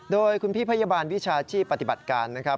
โดยคุณพี่พยาบาลวิชาชีพปฏิบัติการนะครับ